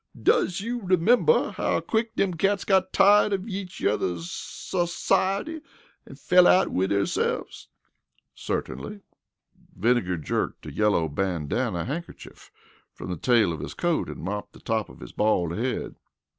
"Does you recommember how quick dem cats got tired of each yuther's sawsiety an' fell out wid theirselves?" "Certainly." Vinegar jerked a yellow bandana handkerchief from the tail of his coat and mopped the top of his bald head.